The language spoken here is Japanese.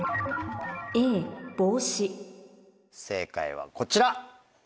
正解はこちら。